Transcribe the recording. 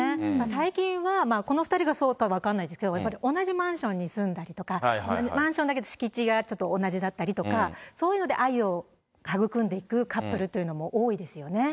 最近は、この２人がそうか分からないですが、やっぱり同じマンションに住んだりとか、マンションだけど、敷地がちょっと同じだったりとか、そういうので愛を育んでいくカップルというのも多いですよね。